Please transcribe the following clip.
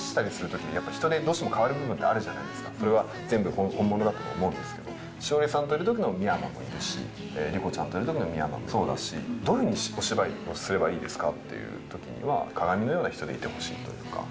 実際も人と話したりするとき、やっぱり人でどうしても変わる部分ってあるじゃないですか、それは全部本物だと思うんですけど、詩織さんといるときの未山もいるし、莉子ちゃんといるときの未山もそうだし、どういうふうにお芝居をすればいいですか？